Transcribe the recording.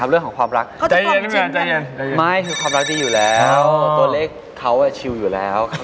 สุดท้ายความรักบ้างต้องถามก่อนที่จะคำ